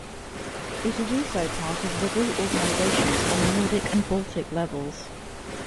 It is also part of Liberal organisations on the Nordic and Baltic levels.